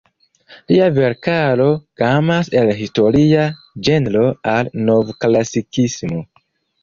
Lia verkaro gamas el historia ĝenro al Novklasikismo.